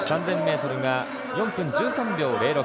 ３０００ｍが４分１３秒０６。